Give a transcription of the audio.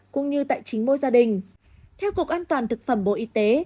cũng như tại chính mỗi gia đình theo cục an toàn thực phẩm bộ y tế